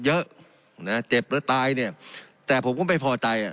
เยอะนะเจ็บหรือตายเนี่ยแต่ผมก็ไม่พอใจอ่ะ